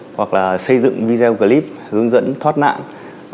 hoặc là xây dựng video clip hướng dẫn thoát nạn